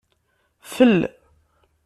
Fel